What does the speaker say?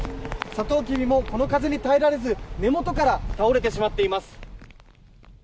サトウキビもこの風に耐えられず根元から倒れてしまっています。